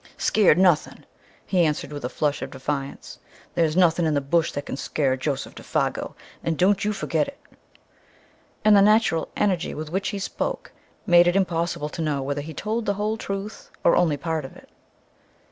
"Skeered nuthin'!" he answered, with a flush of defiance. "There's nuthin' in the Bush that can skeer Joseph Défago, and don't you forget it!" And the natural energy with which he spoke made it impossible to know whether he told the whole truth or only a part of it.